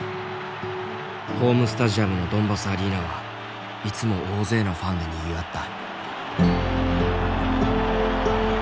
ホームスタジアムのドンバスアリーナはいつも大勢のファンでにぎわった。